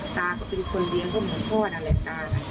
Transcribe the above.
ตาเขาเป็นคนเลี้ยงต้นหมูพอดอะไรตา